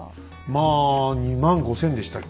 まあ２万５，０００でしたっけ？